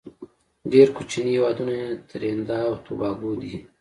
ډیر کوچینی هیوادونه یې تريندا او توباګو دی.